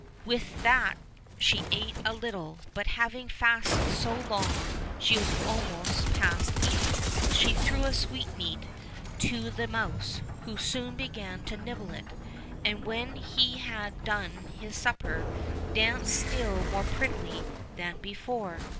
With that she ate a little, but having fasted so long she was almost past eating. She threw a sweetmeat to the mouse, who soon began to nibble it, and, when he had done his supper, danced still more prettily than before.